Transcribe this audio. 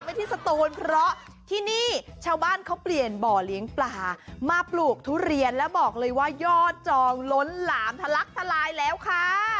ที่สตูนเพราะที่นี่ชาวบ้านเขาเปลี่ยนบ่อเลี้ยงปลามาปลูกทุเรียนแล้วบอกเลยว่ายอดจองล้นหลามทะลักทลายแล้วค่ะ